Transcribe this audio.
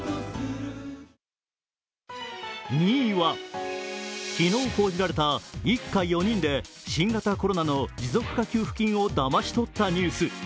２位は昨日報じられた一家４人で新型コロナの持続化給付金をだまし取ったニュース。